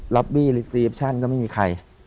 รับบี้รีซีฟชั่นก็ไม่มีใคร